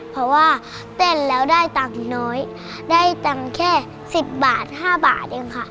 เพราะว่าเต้นแล้วได้ตังค์มีน้อยได้ตังค์แค่๑๐บาท๕บาทเองค่ะ